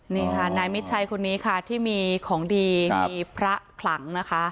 นี่ค่ะนายมิดชัยคนนี้ค่ะที่มีของดีมีพระขลังนะคะ